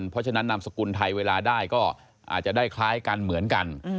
เพราะฉะนั้นนามสกุลไทยเวลาได้ก็อาจจะได้คล้ายกันเหมือนกัน